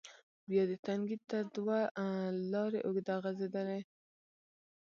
بیا د تنگي تر دوه لارې اوږده غزیدلې،